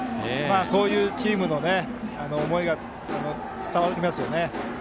そういうチームの思いが伝わりますね。